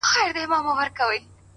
ډېر پخوا سره ټول سوي ډېر مرغان وه،